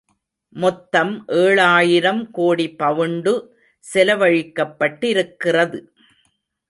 மொத்தம் ஏழாயிரம் கோடி பவுண்டு செலவழிக்கப்பட்டிருக்கிறது.